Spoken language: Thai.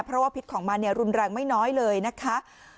เพราะว่าพิษของมันรุนแรงไม่น้อยเลยนะคะ